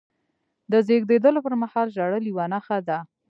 د زیږېدلو پرمهال ژړل یوه نښه ده.